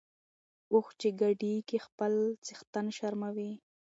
اوښ چی ګډیږي خپل څښتن شرموي .